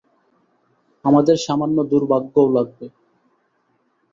আমাদের সামান্য দুর্ভাগ্যও লাগবে।